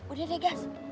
udah deh gas